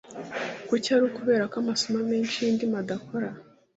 Kuki ari ukubera ko amasomo menshi yindimi adakora?